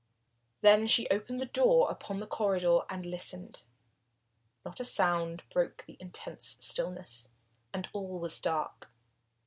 Then she opened the door upon the corridor and listened. Not a sound broke the intense stillness, and all was dark.